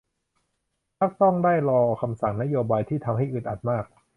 มักต้องได้รอคำสั่งนโยบายที่ทำให้อึดอัดมาก